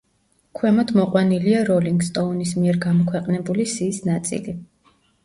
ქვემოთ მოყვანილია „როლინგ სტოუნის“ მიერ გამოქვეყნებული სიის ნაწილი.